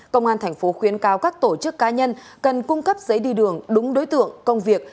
công an thành phố khuyến cao các tổ chức cá nhân cần cung cấp giấy đi đường đúng đối tượng công việc